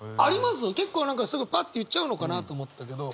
結構何かすぐパッて言っちゃうのかなと思ったけど。